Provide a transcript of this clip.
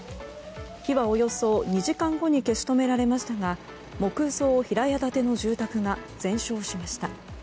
火はおよそ２時間後に消し止められましたが木造平屋建ての住宅が全焼しました。